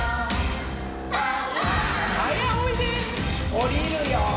おりるよ。